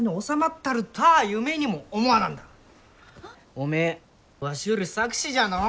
おめえわしより策士じゃのう。